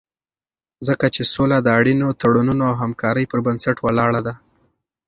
ځکه چې سوله د اړینو تړونونو او همکارۍ پر بنسټ ولاړه ده.